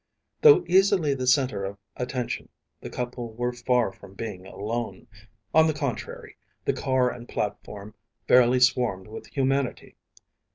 Though easily the centre of attention, the couple were far from being alone. On the contrary, the car and platform fairly swarmed with humanity.